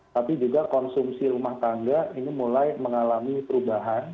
tapi juga konsumsi rumah tangga ini mulai mengalami perubahan